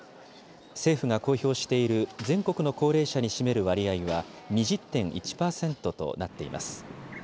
政府が公表している全国の高齢者に占める割合は２０．１％となっています。